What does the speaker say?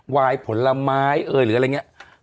วายผลไม้เอ่ยหรืออะไรอย่างนี้